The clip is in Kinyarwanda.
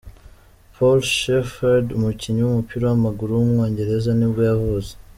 Paul Shepherd, umukinnyi w’umupira w’amaguru w’umwongereza nibwo yavutse.